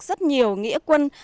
rất nhiều nghĩa quân